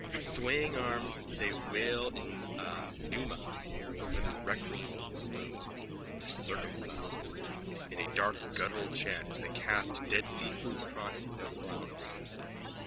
With swaying arms they wail in pneuma over the recreant Bloom.)_ THE CIRCUMCISED: _(In dark guttural chant as they cast dead sea fruit upon him, no flowers.)